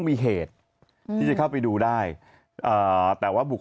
มีเหตุที่จะเข้าไปดูได้แต่ว่าบุคค